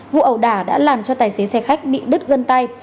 vụ ẩu đả đã làm cho tài xế xe khách bị đứt gân tay